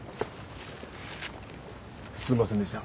すいませんでした。